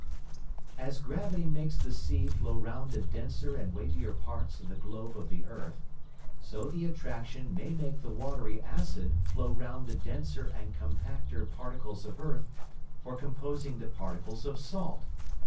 As Gravity makes the Sea flow round the denser and weightier Parts of the Globe of the Earth, so the Attraction may make the watry Acid flow round the denser and compacter Particles of Earth for composing the Particles of Salt.